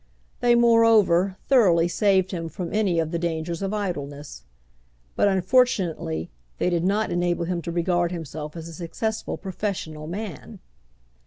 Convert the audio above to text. They, moreover, thoroughly saved him from any of the dangers of idleness; but, unfortunately, they did not enable him to regard himself as a successful professional man.